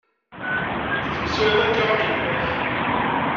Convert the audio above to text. Tettmeslayeḍ akka am yemma-k.